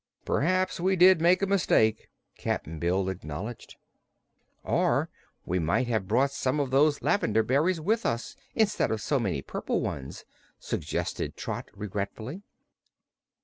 "P'r'aps we did make a mistake," Cap'n Bill acknowledged. "Or we might have brought some of those lavender berries with us, instead of so many purple ones," suggested Trot regretfully.